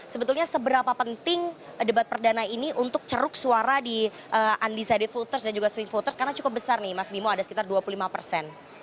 sebetulnya seberapa penting debat perdana ini untuk ceruk suara di undecided voters dan juga swing voters karena cukup besar nih mas bimo ada sekitar dua puluh lima persen